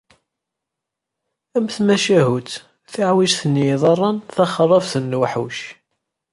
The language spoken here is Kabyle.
Am tmacahut “Tuɛwijt n yiḍarren, taxerrabt n lewḥuc”.